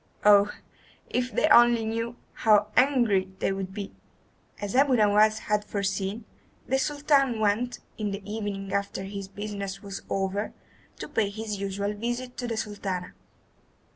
Oh, if they only knew, how angry they would be!" As Abu Nowas had foreseen, the Sultan went, in the evening after his business was over, to pay his usual visit to the Sultana.